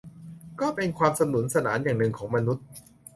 ก็เป็นความสนุนสนานอย่างหนึ่งของมนุษย์